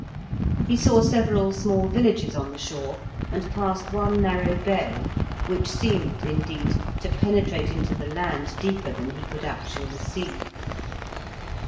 He saw several small villages on the shore, and passed one narrow bay, which seemed, indeed, to penetrate into the land deeper than he could actually see.